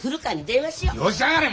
よしやがれ！